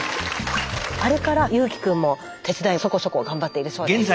あれから悠暉くんも手伝いをそこそこ頑張っているそうです。